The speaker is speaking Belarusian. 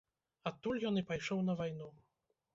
Адтуль ён і пайшоў на вайну.